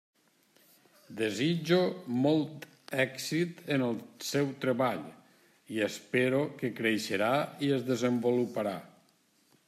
Desitjo molt èxit en el seu treball i espero que creixerà i es desenvoluparà.